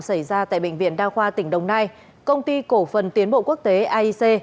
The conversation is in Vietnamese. xảy ra tại bệnh viện đa khoa tỉnh đồng nai công ty cổ phần tiến bộ quốc tế aic